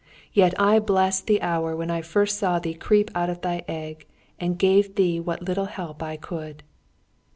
Yet I bless the hour when I first saw thee creep out of thy egg and gave thee what little help I could!